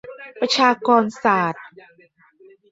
ประชากรศาสตร์